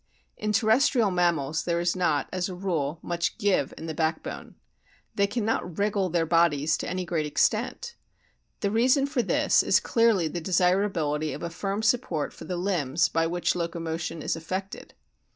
In terrestrial mammals there is not, as a rule, much "give" in the backbone. They cannot "wriggle" their bodies to any great extent. The reason for this is clearly the desirability of a firm support for the limbs by which locomotion is affected.